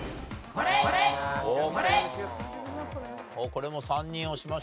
これも３人押しましたか。